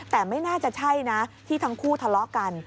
แต่ไม่น่าจะใช่นะที่ทั้งคู่ทะเลาะกัน